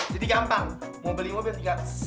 jadi gampang mau beli mobil tinggal seee